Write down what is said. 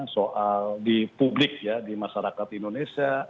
soal di publik ya di masyarakat indonesia